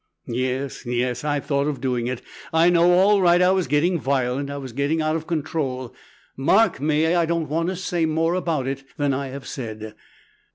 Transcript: "Yes, yes; I thought of doing it. I know all right I was getting violent, I was getting out of control. "Mark me. I don't want to say more about it than I have said.